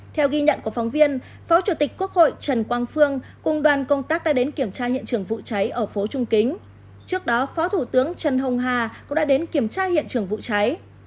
theo ghi nhận của phóng viên phó chủ tịch quốc hội trần quang phương cùng đoàn công tác đã đến kiểm tra hiện trường vụ cháy ở phố trung kính trước đó phó thủ tướng trần hồng hà cũng đã đến kiểm tra hiện trường vụ cháy